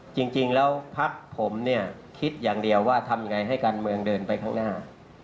จริงแล้วพักผมเนี่ยคิดอย่างเดียวว่าทำยังไงให้การเมืองเดินไปข้างหน้า